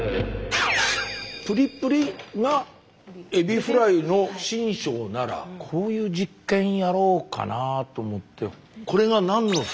プリプリがエビフライの身上ならこういう実験やろうかなと思って。